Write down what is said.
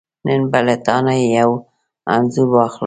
نن به له تانه یو انځور واخلم .